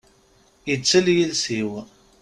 Ittel yiles-iw.